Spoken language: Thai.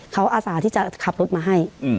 เขาอาสาที่จะขับรถมาให้